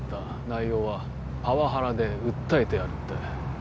内容はパワハラで訴えてやるって。